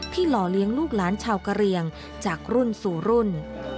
หล่อเลี้ยงลูกหลานชาวกะเรียงจากรุ่นสู่รุ่น